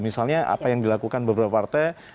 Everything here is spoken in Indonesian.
misalnya apa yang dilakukan beberapa partai